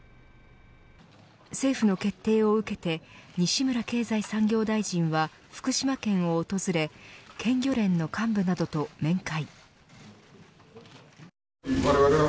政府の決定を受けて西村経済産業大臣は福島県を訪れ県漁連の幹部などと面会。